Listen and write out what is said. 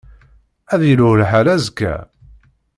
Ad yelhu lḥal azekka?